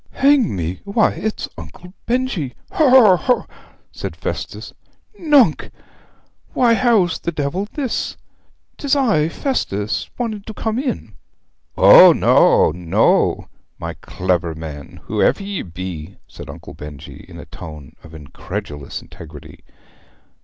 'Hang me why it's Uncle Benjy! Haw haw haw?' said Festus. 'Nunc, why how the devil's this? 'Tis I Festus wanting to come in.' 'O no, no, my clever man, whoever you be!' said Uncle Benjy in a tone of incredulous integrity.